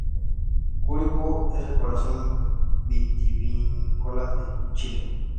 Curicó es el corazón vitivinícola de Chile.